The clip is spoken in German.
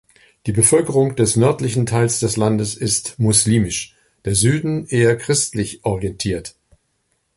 Die Bevölkerung des nördlichen Teils des Landes ist muslimisch, der Süden eher christlich orientiert.